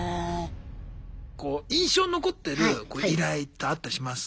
こう印象に残ってる依頼ってあったりします？